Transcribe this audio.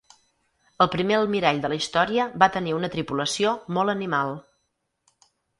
El primer almirall de la història va tenir una tripulació molt animal.